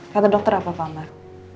kata dokter apa pak amar